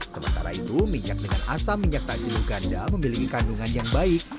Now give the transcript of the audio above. sementara itu minyak dengan asam minyak tak jelu ganda memiliki kandungan yang baik